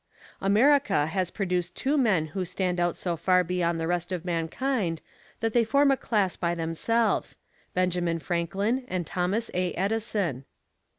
America has produced two men who stand out so far beyond the rest of mankind that they form a class by themselves: Benjamin Franklin and Thomas A. Edison.